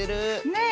ねえ。